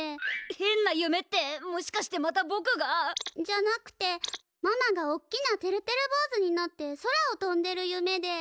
へんな夢ってもしかしてまたぼくが？じゃなくてママがおっきなてるてるぼうずになって空をとんでる夢で。